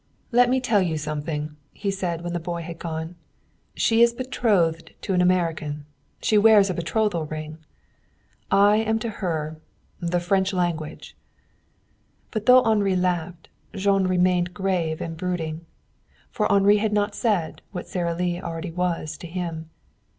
"Let me tell you something," he said when the boy had gone. "She is betrothed to an American. She wears a betrothal ring. I am to her the French language!" But, though Henri laughed, Jean remained grave and brooding. For Henri had not said what Sara Lee already was to him.